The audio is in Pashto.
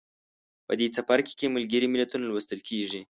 په دې څپرکي کې ملګري ملتونه لوستل کیږي.